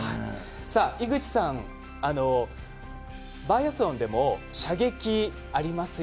井口さん、バイアスロンでも射撃、ありますよね。